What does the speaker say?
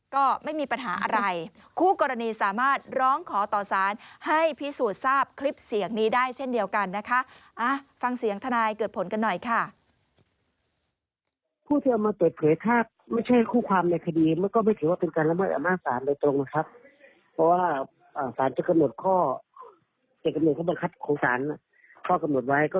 ก็ไม่มีปัญหาอะไรคู่กรณีสามารถร้องขอต่อศาลให้พิสูจน์ทราบคลิปเสียงนี้ได้เช่นเดียวกันนะคะ